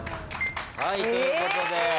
はいということでええ